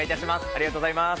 ありがとうございます。